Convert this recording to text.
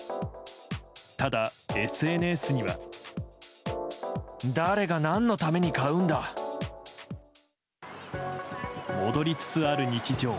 ただ、ＳＮＳには。戻りつつある日常。